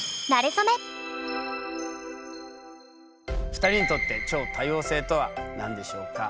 ２人にとって超多様性とは何でしょうか？